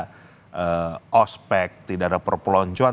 alasannya sudah tidak ada ospek tidak ada perpeloncuan